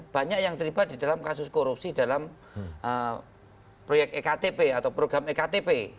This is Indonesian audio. banyak yang terlibat di dalam kasus korupsi dalam proyek ektp atau program ektp